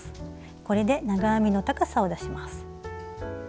これで長編みの高さを出します。